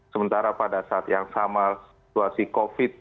sementara pada saat yang sama situasi covid